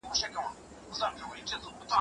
اسلامي شریعت د فطرت مطابق دی.